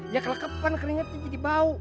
ya keleketan keringetnya jadi bau